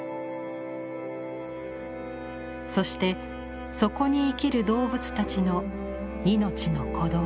そしてそこに生きる動物たちの命の鼓動。